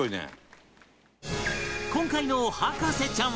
今回の博士ちゃんは